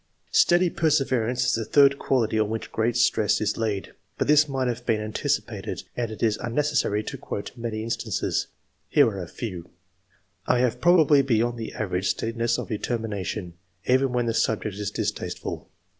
Steady perseverance is a third quality on which great stress is laid ; but this might have been anticipated, and it is unnecessary to quote many instances. Here are a few :— 1. "I have probably beyond the average, steadiness of determination, even when the sub ject is distasteful."